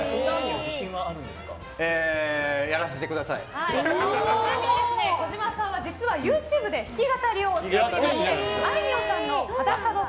実は児嶋さんはＹｏｕＴｕｂｅで弾き語りをしていましてあいみょんさんの「裸の心」